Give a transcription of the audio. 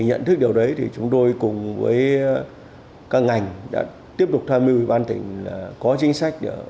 nhận thức điều đấy thì chúng tôi cùng với các ngành đã tiếp tục tham mưu với ban tỉnh là có chính sách